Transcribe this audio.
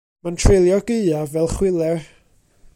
Mae'n treulio'r gaeaf fel chwiler.